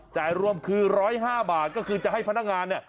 จ่ายรวมคือ๑๐๕บาทก็คือจะให้พนักงานเนี่ย